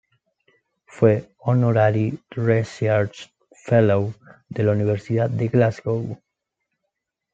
Fue "Honorary Research Fellow" en la Universidad de Glasgow.